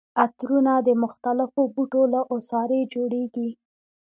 عطرونه د مختلفو بوټو له عصارې جوړیږي.